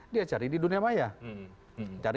dia cari di dunia maya